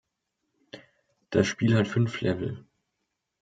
Das Spiel hat fünf Level.